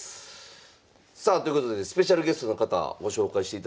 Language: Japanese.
さあということでスペシャルゲストの方ご紹介していただきましょう。